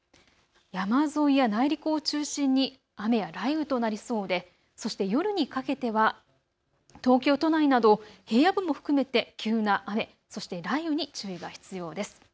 山沿いや内陸を中心に雨や雷雨となりそうで、そして夜にかけては東京都内など平野部も含めて急な雨、そして雷雨に注意が必要です。